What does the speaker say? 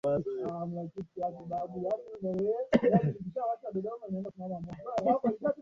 hali kadhalika kutokuwepo kwa mpangilio mzuri